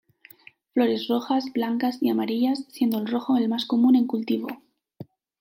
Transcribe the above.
Flores rojas, blancas y amarillas, siendo el rojo el más común en cultivo.